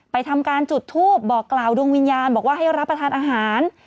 ทำการจุดทูปบอกกล่าวดวงวิญญาณบอกว่าให้รับประทานอาหาร